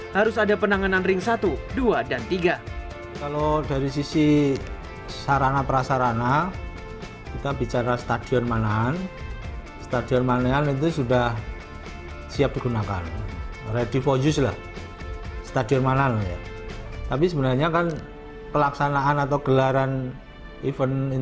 harus ada penanganan ring satu dua dan tiga